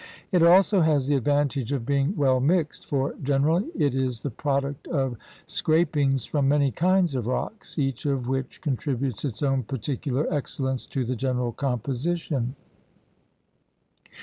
Itf also has the advantage of being well mixed, for generally it is the product of scra pings from many kinds of rocks, each of which con tributes its own particular excellence to the general composition.